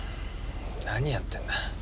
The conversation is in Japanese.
何やってんだ？